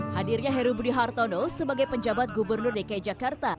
hadirnya heru budi hartono sebagai penjabat gubernur dki jakarta